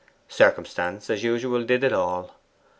Circumstance, as usual, did it all.